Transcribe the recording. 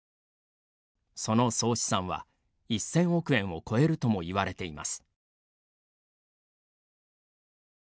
その総資産は、１０００億円を超えるともいわれています。